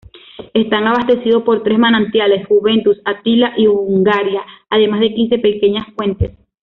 Están abastecidos por tres manantiales: Juventus, Attila y Hungaria, además de quince pequeñas fuentes.